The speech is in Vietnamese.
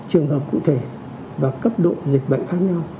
trường hợp cụ thể và cấp độ dịch bệnh khác nhau